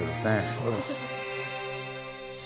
そうです。